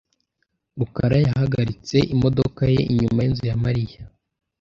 rukara yahagaritse imodoka ye inyuma yinzu ya Mariya .